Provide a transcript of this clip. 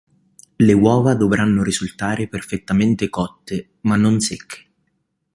Le uova dovranno risultare perfettamente cotte, ma non secche.